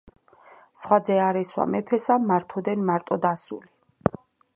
სხვა ძე არ ესვა მეფესა მართ ოდენ მარტოდ ასული.